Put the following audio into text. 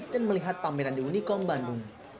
dan melihat pameran di unicom bandung